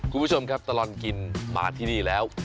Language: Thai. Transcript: คุณผู้ชมครับตลอดกินมาที่นี่แล้ว